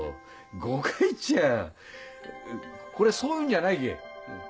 誤解っちゃこれそういうんじゃないけぇ。